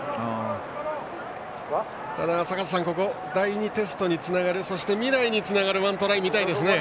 坂田さん、第２テストにつながるそして未来につながる１トライ、見たいですね。